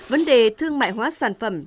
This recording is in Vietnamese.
vấn đề thương mại hóa sản phẩm